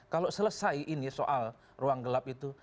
kalau selesai ini soal ruang gelap itu